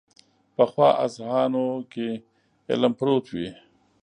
پخو اذهانو کې علم پروت وي